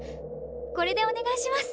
これでお願いします！